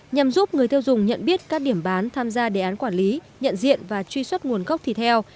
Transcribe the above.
nhằm giúp người tiêu dùng nhận biết các điểm bán tham gia đề án quản lý nhận diện và truy xuất nguồn gốc thịt heo